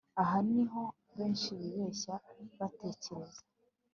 Aha ni ho benshi bibeshya batekereza